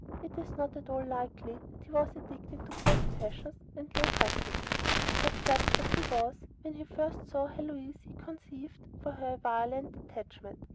It is not at all likely that he was addicted to gross passions and low practices. But such as he was, when he first saw Heloise he conceived for her a violent attachment.